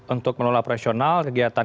untuk melolak profesional kegiatan